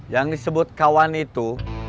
yang disebut kawan itu